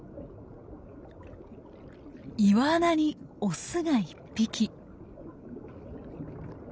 岩穴にオスが１匹。